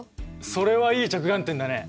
それはいい着眼点だね。